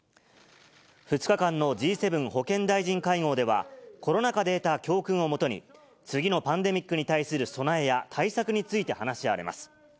２日間のＧ７保健大臣会合では、コロナ禍で得た教訓をもとに、次のパンデミックに対する備えや対策について話し合われます。